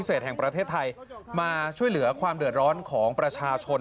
จะช่วยเหลือความเดือดร้อนของประชาชน